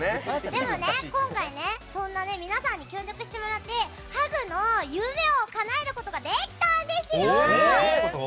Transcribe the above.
でも今回、皆さんに協力してもらってハグの夢をかなえることができたんですよ！